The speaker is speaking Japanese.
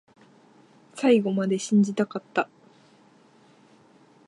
最後まで信じたかった